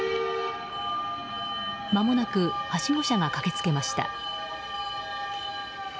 まもなくはしご車が駆けつけました。